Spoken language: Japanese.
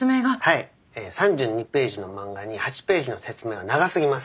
はい３２ページの漫画に８ページの説明は長すぎます。